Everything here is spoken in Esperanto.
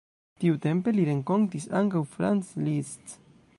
Tiutempe li renkontis ankaŭ Franz Liszt.